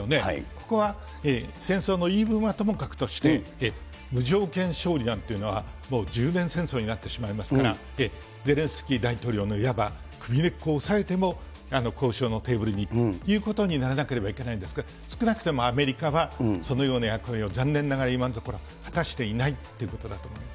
ここは戦争の言い分はともかくとして、無条件勝利なんていうのは、もう１０年戦争になってしまいますから、ゼレンスキー大統領のいわば首根っこを押さえても、交渉のテーブルにということにならなければいけないんですけれども、少なくともアメリカはそのような役割を残念ながら今のところ、果たしていないということだと思います。